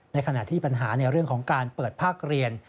ขณะที่ปัญหาในเรื่องของการเปิดภาคเรียน